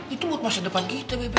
itu buat masa depan kita